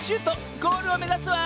ゴールをめざすわ！